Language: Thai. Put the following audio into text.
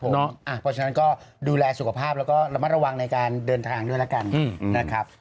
เพราะฉะนั้นก็ดูแลสุขภาพแล้วก็ระมัดระวังในการเดินทางด้วยแล้วกันนะครับ